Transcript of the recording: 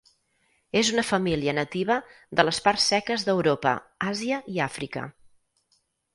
És una família nativa de les parts seques d'Europa, Àsia i Àfrica.